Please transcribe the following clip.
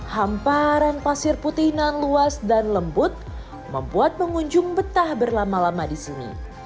hamparan pasir putih nan luas dan lembut membuat pengunjung betah berlama lama di sini